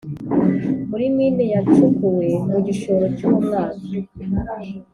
Muri mine yacukuwe mu igishoro cy’ uwo mwaka